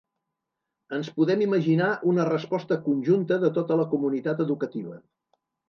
Ens podem imaginar una resposta conjunta de tota la comunitat educativa.